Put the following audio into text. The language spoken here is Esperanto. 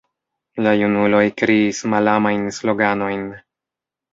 La junuloj kriis malamajn sloganojn.